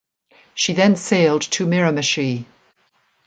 She then sailed to Miramichi.